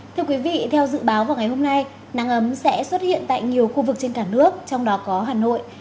thưa quý vị theo dự báo vào ngày hôm nay nắng ấm sẽ xuất hiện tại nhiều khu vực trên cả nước trong đó có hà nội